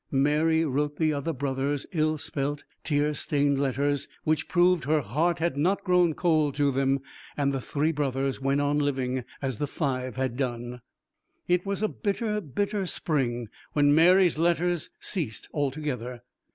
Mary wrote the other brothers ill spelt, tear stained letters, which proved her heart had not grown cold to them; and the three brothers went on living as the five had done. It was a bitter, bitter spring when Mary's letters ceased altogether.